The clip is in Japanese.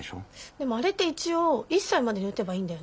でもあれって一応１歳までに打てばいいんだよね。